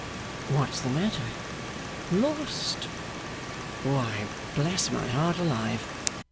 'What's the matter?' 'Lost!' 'Why, bless my heart alive!